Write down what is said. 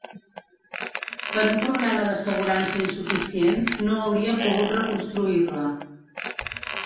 Per un problema d'assegurança insuficient, no hauria pogut reconstruir-la.